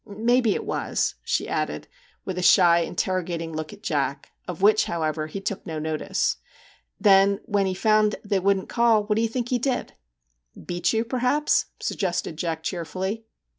Maybe it was,' she added, with a 22 MR. JACK HAMLIN'S MEDIATION shy, interrogating look at Jack, of which, how ever, he took no notice. * Then when he found they wouldn't call, what do you think he did ?'' Beat you, perhaps,' suggested Jack cheer fully.